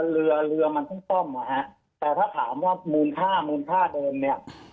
เรือเรือมันต้องซ่อมอ่ะฮะแต่ถ้าถามว่ามูลค่ามูลค่าเดิมเนี่ย